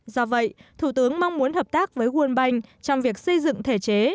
do vậy thủ tướng mong muốn hợp tác với world bank trong việc xây dựng thể chế